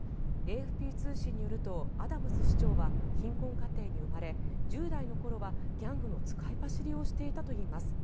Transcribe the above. ＡＦＰ通信によるとアダムス市長は貧困家庭に生まれ１０代の頃はギャングの使いっ走りをしていたといいます。